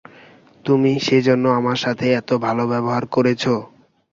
তুমি সেজন্য আমার সাথে এত ভালো ব্যবহার করেছো?